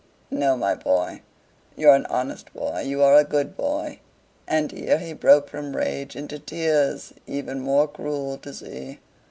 No, my boy, you're an honest boy; you are a good boy." (And here he broke from rage into tears even more cruel to see.)